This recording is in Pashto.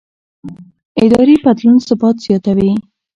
اداري بدلون ثبات زیاتوي